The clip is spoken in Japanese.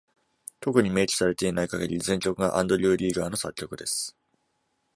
特に明記されていない限り、全曲がアンドリュー・リーガーの作曲です。